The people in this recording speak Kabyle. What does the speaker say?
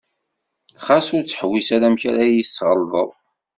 Xas ur ttḥewwis ara amek ara yi-tesɣelṭeḍ.